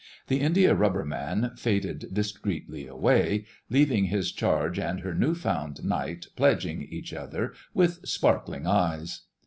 The Indiarubber Man faded discreetly away, leaving his charge and her new found knight pledging each other with sparkling eyes.